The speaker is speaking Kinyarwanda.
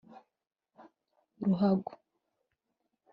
ruhago